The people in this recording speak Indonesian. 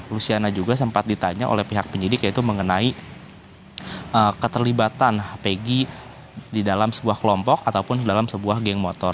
luciana juga sempat ditanya oleh pihak penyidik yaitu mengenai keterlibatan peggy di dalam sebuah kelompok ataupun dalam sebuah geng motor